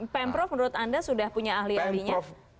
pemprov menurut anda sudah punya ahli ahlinya